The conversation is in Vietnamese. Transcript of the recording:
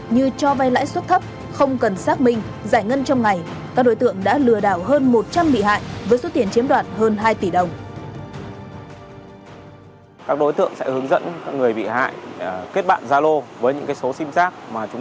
như cho vay lãi suất thấp không cần xác minh giải ngân trong ngày các đối tượng đã lừa đảo hơn một trăm linh bị hại với số tiền chiếm đoạt hơn hai tỷ đồng